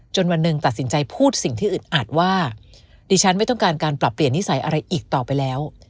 วันหนึ่งตัดสินใจพูดสิ่งที่อึดอัดว่าดิฉันไม่ต้องการการปรับเปลี่ยนนิสัยอะไรอีกต่อไปแล้ว